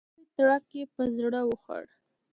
لوی تړک یې په زړه وخوړ.